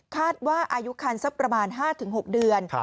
ว่าอายุคันสักประมาณ๕๖เดือน